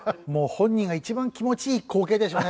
本人が一番気持ちいい光景でしょうね